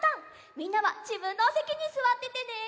みんなはじぶんのおせきにすわっててね。